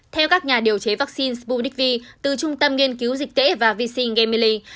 theo các nhà điều chế vaccine sputnik v từ trung tâm nghiên cứu dịch tễ và visingemily